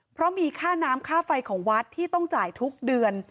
เพราะมีค่าน้ำค่าไฟของวัดที่ต้องจ่ายทุกเดือน